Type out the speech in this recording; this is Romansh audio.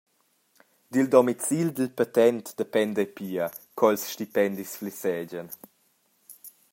Dil domicil dil petent dependa ei pia co ils stipendis flessegian.